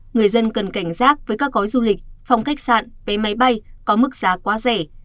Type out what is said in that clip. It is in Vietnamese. người dân cần cảnh giác với các gói du lịch phòng khách sạn vé máy bay có mức giá quá rẻ